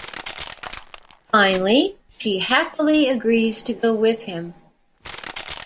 Finally, she happily agrees to go with him.